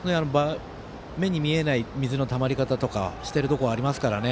目に見えない水のたまり方とかしてるところがありますからね